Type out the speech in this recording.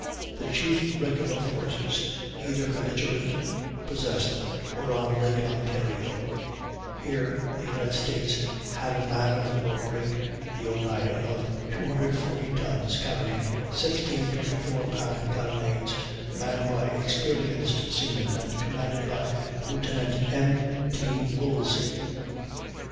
The chief regular forces either belligerent possessed were on Lake Ontario. Here the United States had a man of war brig, the Oneida, of 240 tons, carrying 16 24 pound carronades, manned by experienced seamen, and commanded by Lieutenant M. T. Woolsey.